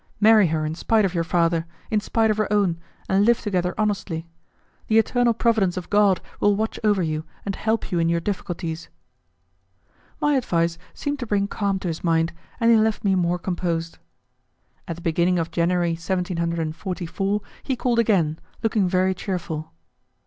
Marry her in spite of your father, in spite of her own, and live together honestly. The eternal Providence of God will watch over you and help you in your difficulties." My advice seemed to bring calm to his mind, and he left me more composed. At the beginning of January, 1744, he called again, looking very cheerful.